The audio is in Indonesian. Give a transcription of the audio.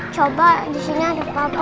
coba disini ada papa